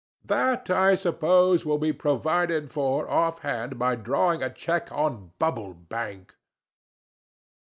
"That, I suppose, will be provided for off hand by drawing a check on Bubble Bank?"